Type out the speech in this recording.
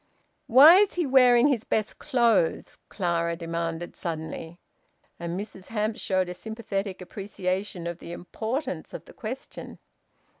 "Why's he wearing his best clothes?" Clara demanded suddenly. And Mrs Hamps showed a sympathetic appreciation of the importance of the question.